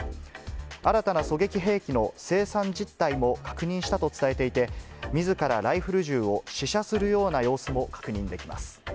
新たな狙撃兵器の生産実態も確認したと伝えていて、みずからライフル銃を試射するような様子も確認できます。